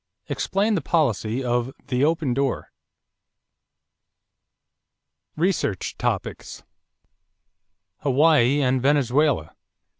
Explain the policy of the "open door." =Research Topics= =Hawaii and Venezuela.